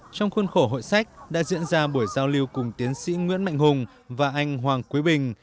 trong khuôn khổ hội sách đã diễn ra buổi giao lưu cùng tiến sĩ nguyễn mạnh hùng và anh hoàng quế bình